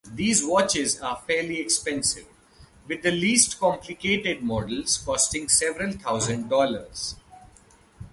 These watches are fairly expensive, with the least complicated models costing several thousand dollars.